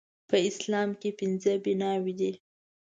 په اسلام کې پنځه بناوې دي